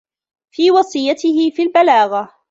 فِي وَصِيَّتِهِ فِي الْبَلَاغَةِ